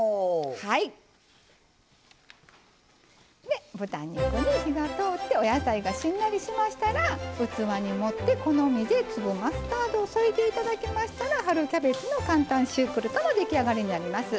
で豚肉に火が通ってお野菜がしんなりしましたら器に盛って好みで粒マスタードを添えて頂きましたら春キャベツの簡単シュークルートの出来上がりになります。